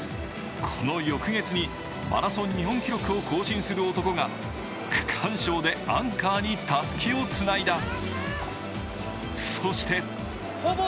この翌月にマラソンに本記録を更新する男が区間賞でアンカーにたすきをつないだ。